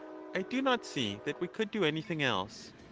I do not see that we could do anything else.